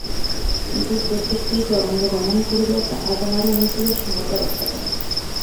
রিপুর প্রত্যেকটি তরঙ্গ দমন করিলে তাহা তোমার অনুকূলে সমতা রক্ষা করে।